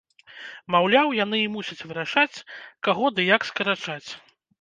Маўляў, яны і мусяць вырашаць, каго ды як скарачаць.